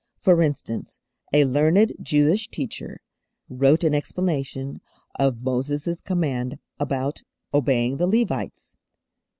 For instance, a learned Jewish teacher wrote an explanation of Moses' command about obeying the Levites.